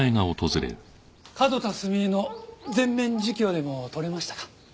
角田澄江の全面自供でも取れましたか？